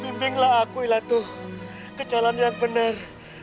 pimpinlah aku ilato ke jalan yang benar